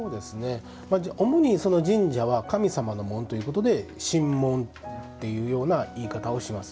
主に、神社は神様の紋ということで神紋という言い方をします。